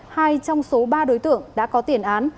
hai trong số ba đối tượng đã có tiền án